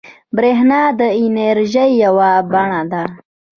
بریښنا د انرژۍ یوه بڼه ده